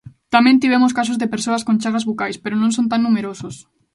Tamén tivemos casos de persoas con chagas bucais, pero non son tan numerosos.